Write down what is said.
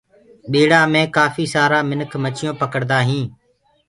ٻيڙآ مي ڪآڦيٚ سآرا ميِنک مڇيون پڪڙدآ هِينٚ